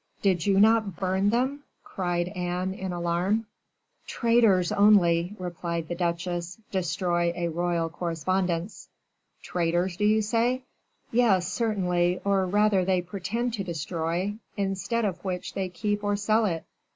"Did you not burn them?" cried Anne, in alarm. "Traitors only," replied the duchesse, "destroy a royal correspondence." "Traitors, do you say?" "Yes, certainly, or rather they pretend to destroy, instead of which they keep or sell it.